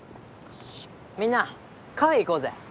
みんなカフェ行こうぜ。